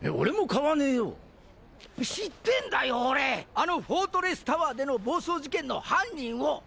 あのフォートレスタワーでの暴走事件の犯人を！